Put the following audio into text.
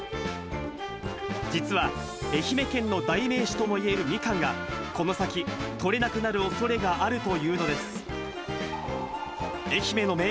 実は愛媛県の代名詞ともいえるミカンが、この先、取れなくなるおそれがあるというのです。